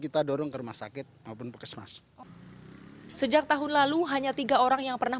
kita dorong ke rumah sakit maupun pukesmas sejak tahun lalu hanya tiga orang yang pernah